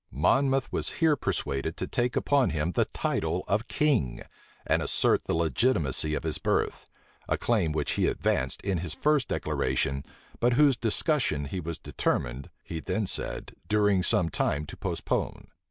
Monmouth was here persuaded to take upon him the title of king, and assert the legitimacy of his birth; a claim which he advanced in his first declaration, but whose discussion he was determined, he then said, during some time to postpone.